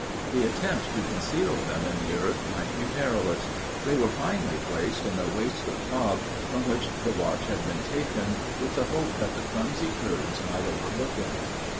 The attempt to conceal them in the earth might be perilous. They were finally placed in the waistcoat fob, from which the watch had been taken, with the hope that the clumsy Kurds might overlook it.